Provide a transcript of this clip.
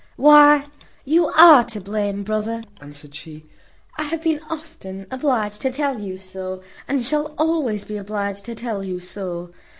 "Why, you are to blame, brother," answered she. "I have been often obliged to tell you so, and shall always be obliged to tell you so.